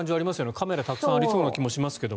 カメラたくさんありそうな気もしますけど。